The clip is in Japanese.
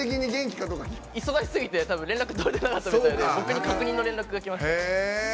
忙しすぎて連絡が取れなかったみたいで僕に確認の連絡が来ました。